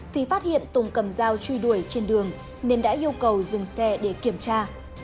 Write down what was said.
thì phát hiện tùng cầm dao truy đuổi trên đường nên đã yêu cầu dừng xe để kiểm tra